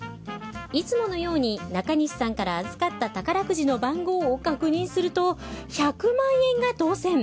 いつものように中西さんから預かった宝くじの番号を確認すると１００万円が当せん！